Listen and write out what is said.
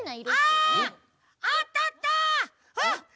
・ああったあった！